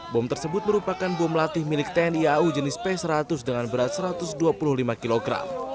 bom tersebut merupakan bom latih milik tni au jenis p seratus dengan berat satu ratus dua puluh lima kg